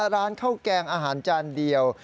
ร้านข้าวแกงอาหารจานเดียว